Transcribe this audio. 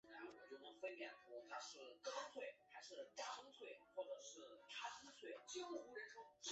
多伦多影评人协会奖最佳男主角是多伦多影评人协会奖的主要奖项之一。